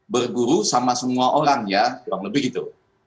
berguru sama semua orang ya kurang lebih gitu